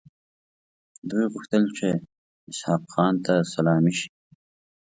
دوی غوښتل چې اسحق خان ته سلامي شي.